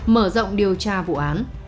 mở rộng điều tra vụ án